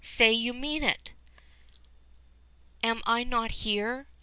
Say you mean it!" "Am I not here?"